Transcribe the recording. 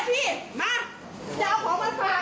แค่ดินพักะโหนนี่มีพ่อบ้าน